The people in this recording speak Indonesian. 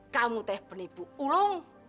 kamu teh penipu ulung